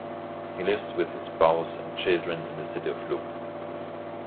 He lives with his spouse and children in the city of Luque.